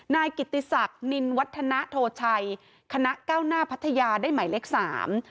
นายกิติศักดิ์นินวัฒนโทชัยคณะเก้าหน้าพัทยาได้หมายเลขสาม